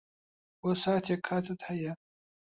بۆ ساتێک کاتت ھەیە؟